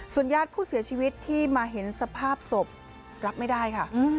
ญาติผู้เสียชีวิตที่มาเห็นสภาพศพรับไม่ได้ค่ะ